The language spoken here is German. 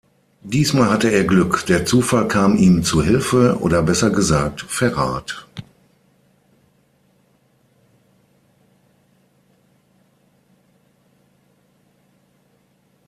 Diesmal hatte er Glück; der Zufall kam ihm zu Hilfe, oder besser gesagt: Verrat.